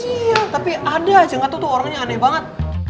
iya tapi ada aja gak tau tuh orangnya aneh banget